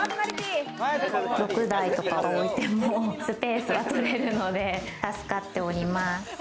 ６台とか置いてもスペースが取れるので助かっております。